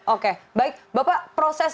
oke baik bapak proses